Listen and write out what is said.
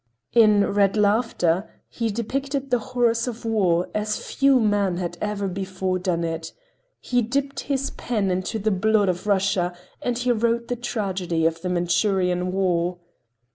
In "Red Laughter" he depicted the horrors of war as few men had ever before done it. He dipped his pen into the blood of Russia and wrote the tragedy of the Manchurian war.